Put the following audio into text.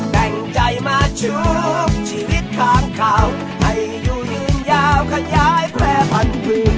แปลงใจมาชุบชีวิตคามข่าวให้อยู่ยืนยาวขนย้ายแพร่พันธุ์